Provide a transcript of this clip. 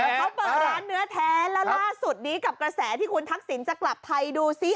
เขาเปิดร้านเนื้อแท้แล้วล่าสุดนี้กับกระแสที่คุณทักษิณจะกลับไทยดูซิ